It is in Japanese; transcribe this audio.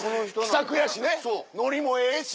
気さくやしねノリもええし。